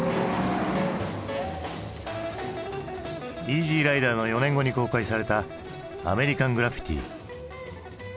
「イージー★ライダー」の４年後に公開された「アメリカン・グラフィティ」。